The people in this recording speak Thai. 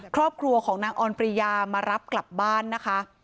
ครอบครัวของนางออนปริยามารับกลับบ้านนะคะ